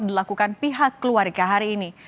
dilakukan pihak keluarga hari ini